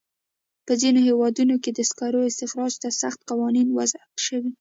په ځینو هېوادونو کې د سکرو استخراج ته سخت قوانین وضع شوي.